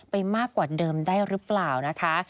มากกว่าเดิมได้หรือเปล่านะคะ